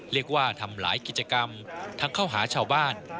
เรียกว่าทำหลายกิจกรรมทั้งเข้าหาชาวบ้าน